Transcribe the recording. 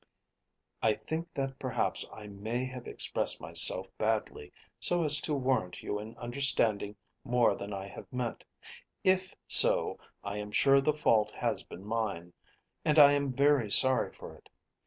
I think that perhaps I may have expressed myself badly so as to warrant you in understanding more than I have meant. If so, I am sure the fault has been mine, and I am very sorry for it.